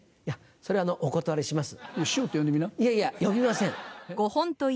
それはお断りします。